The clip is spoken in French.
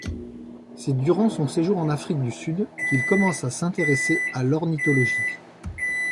C’est durant son séjour en Afrique du Sud qu’il commence à s’intéresser à l’ornithologie.